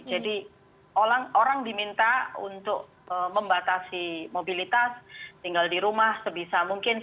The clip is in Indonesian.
orang diminta untuk membatasi mobilitas tinggal di rumah sebisa mungkin